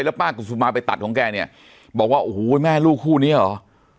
แล้วป้ากุศุมาไปตัดของแกเนี่ยบอกว่าโอ้โหแม่ลูกคู่นี้เหรอ